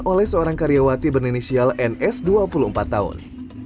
oleh seorang karyawati berinisial ns dua puluh empat tahun